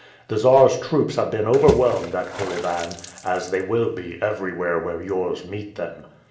The Czar's troops have been overwhelmed at Kolyvan, as they will be everywhere where yours meet them."